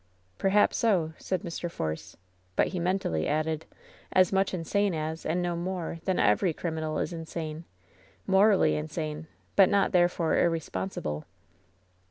"Perhaps so," said Mr. Force, but he mentally added : "As much insane as, and no more, than every criminal is insane — amorally insane, but not, therefore, irrespon sible."